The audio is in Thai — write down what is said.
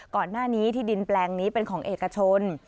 ก่อนหน้านี้ที่ดินแปลงนี้เป็นของเอกชน